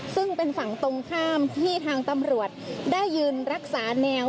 ซึ่งเป็นฝั่งตรงข้ามที่ทางตำรวจได้ยืนรักษาแนว